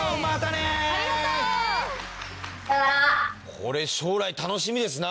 これ将来楽しみですな。